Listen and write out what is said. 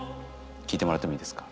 聞いてもらってもいいですか？